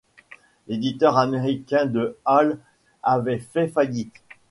L'éditeur américain de Hall avait fait faillite.